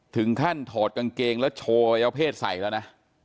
ถึงขั้นถอดกางเกงแล้วโชว์ไปเอาเพศใส่แล้วนะ